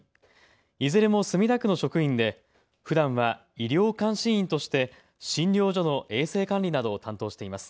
いずれも墨田区の職員でふだんは医療監視員として診療所の衛生管理などを担当しています。